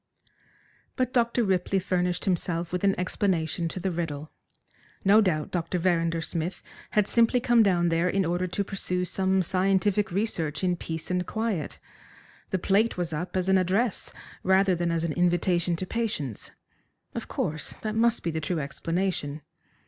But Dr. Ripley furnished himself with an explanation to the riddle. No doubt Dr. Verrinder Smith had simply come down there in order to pursue some scientific research in peace and quiet. The plate was up as an address rather than as an invitation to patients. Of course, that must be the true explanation.